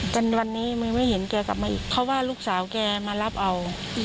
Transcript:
จนวันนี้มึงไม่เห็นแกกลับมาอีกเพราะว่าลูกสาวแกมารับเอา